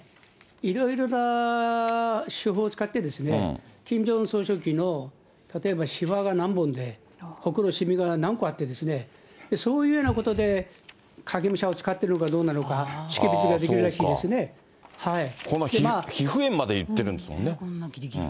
いろいろな手法を使って、キム・ジョンウン総書記の、例えばしわが何本で、ここのしみが何個あって、そういうようなことで、影武者を使ってるのかどうなのか、そうか、この皮膚炎までいってるんですもんね。